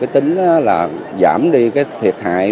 tính giảm đi thiệt hại